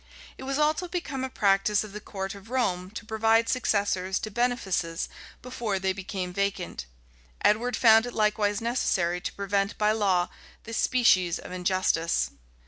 It was also become a practice of the court of Rome to provide successors to benefices before they became vacant: Edward found it likewise necessary to prevent by law this species of injustice.